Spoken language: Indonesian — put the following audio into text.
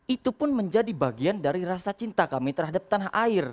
itu pun menjadi bagian dari rasa cinta kami terhadap tanah air